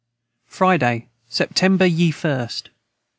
Friday September ye 1st.